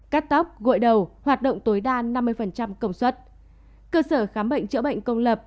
cắt tóc gội đầu hoạt động tối đa năm mươi công suất cơ sở khám bệnh chữa bệnh công lập